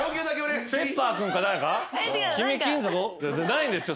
ないんですよ